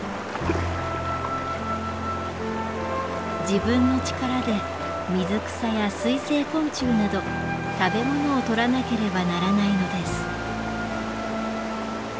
自分の力で水草や水生昆虫など食べ物をとらなければならないのです。